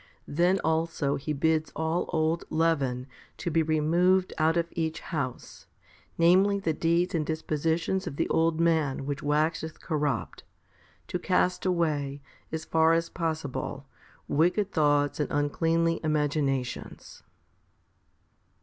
Then also He bids all old leaven 3 to be removed out of each house, namely the deeds and dispositions of the old man which waxeth corrupt^ to cast away, as far as possible, wicked thoughts and uncleanly imaginations.